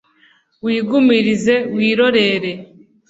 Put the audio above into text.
ugumirize wirorere,